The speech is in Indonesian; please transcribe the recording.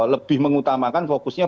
lebih mengutamakan fokusnya